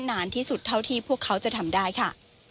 นานที่สุดเท่าที่พวกเขาจะทำได้ค่ะ